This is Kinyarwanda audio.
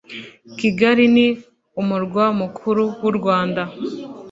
kigali ni umurwa mukuru wurwanda